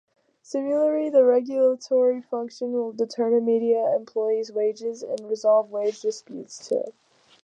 Similarly the regulatory function will determine media employees’ wages and resolve wage disputes too.